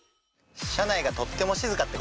車内がとっても静かってこと？